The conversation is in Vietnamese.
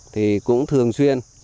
thì cũng thường xuyên